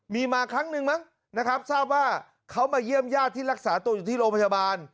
มีมาครั้งหนึ่งมั้งนะครับทราบว่าเขามาเยี่ยมญาติที่รักษาตัวอยู่ที่โรงพยาบาล